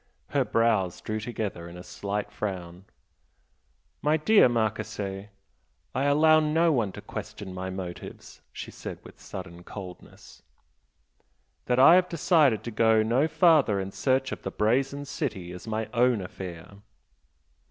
Her brows drew together in a slight frown. "My dear Marchese, I allow no one to question my motives" she said with sudden coldness "That I have decided to go no farther in search of the Brazen City is my own affair."